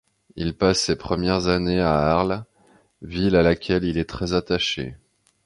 Il passe ses premières années à Arles, ville à laquelle il est très attaché.